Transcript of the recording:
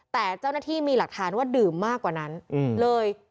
แต่เจ้าหน้าที่มีหลักฐานว่าดื่มมากกว่านั้นเลย